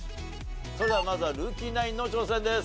それではまずはルーキーナインの挑戦です。